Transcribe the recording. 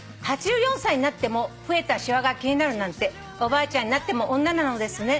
「８４歳になっても増えたしわが気になるなんておばあちゃんになっても女なのですね」